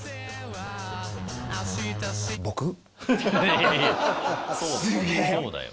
いやいやそうだよ。